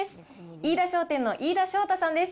飯田商店の飯田将太さんです。